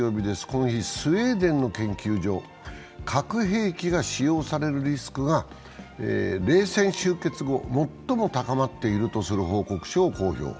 この日、スウェーデンの研究所、核兵器が使用されるリスクが冷戦終結後、最も高まっているとする報告書を公表。